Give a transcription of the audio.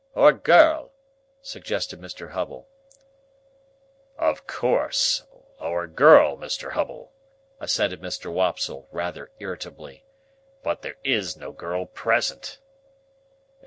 "Or girl," suggested Mr. Hubble. "Of course, or girl, Mr. Hubble," assented Mr. Wopsle, rather irritably, "but there is no girl present."